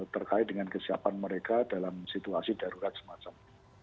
terkait dengan kesiapan mereka dalam situasi darurat semacam ini